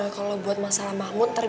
kalau buat masalah mahmud terbiasa